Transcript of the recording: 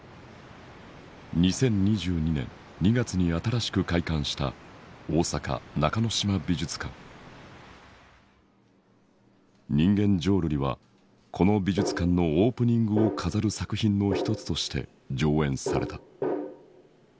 ２０２２年２月に新しく開館した人間浄瑠璃はこの美術館のオープニングを飾る作品の一つとして上演された。